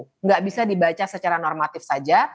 tidak bisa dibaca secara normatif saja